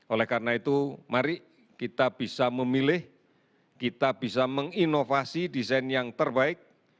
oleh karena itu mari kita bisa memilih kita bisa menginovasi desain yang terbaik